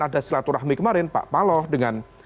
ada silaturahmi kemarin pak paloh dengan